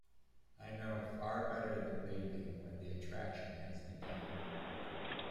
I know, far better than they do, when the attraction has begun.